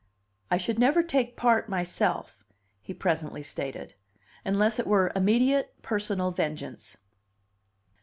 "I should never take part myself," he presently stated, "unless it were immediate personal vengeance."